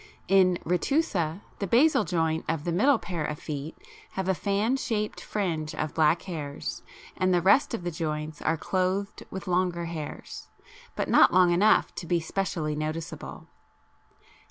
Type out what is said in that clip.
24); in retusa the basal joint of the middle pair of feet have a fan shaped fringe of black hairs, and the rest of the joints are clothed with longer hairs, but not long enough to be specially noticeable.